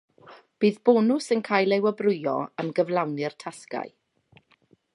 Bydd bonws yn cael ei wobrwyo am gyflawni'r tasgau.